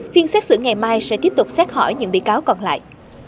phiên xét xử ngày mai sẽ tiếp tục xét hỏi những bị cáo còn lại